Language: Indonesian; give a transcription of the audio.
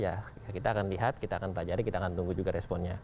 ya kita akan lihat kita akan pelajari kita akan tunggu juga responnya